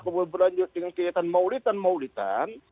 kemudian berlanjut dengan kelihatan maulid dan maulidan